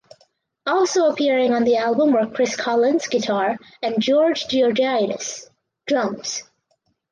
Also appearing on the album were Chris Collins (guitar) and George Georgiadis (drums).